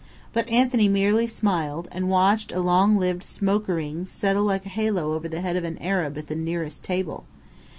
But Anthony merely smiled, and watched a long lived smokering settle like a halo over the head of an Arab at the nearest table.